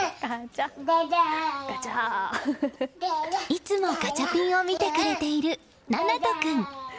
いつもガチャピンを見てくれている凪和人君。